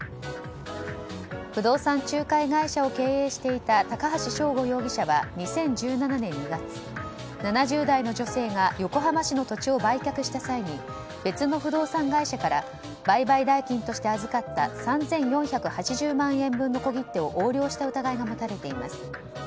不動産仲介会社を経営していた高橋正吾容疑者は２０１７年２月、７０代の女性が横浜市の土地を売却した際に別の不動産会社から売買代金として預かった３４８０万円分の小切手を横領した疑いが持たれています。